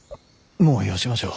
もうよしましょう。